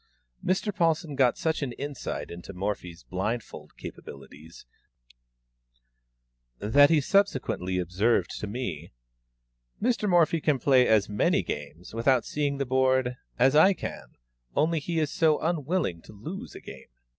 Mr. Paulsen got such an insight into Morphy's blindfold capabilities, that he subsequently observed to me, "Mr. Morphy can play as many games, without seeing the board, as I can, only he is so unwilling to lose a game."